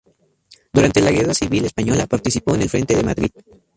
Durante la Guerra Civil Española participó en el frente de Madrid.